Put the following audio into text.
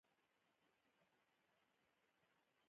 په هزاره ګانو کي هم ډير سُنيان شته